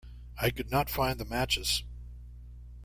I could not find the matches.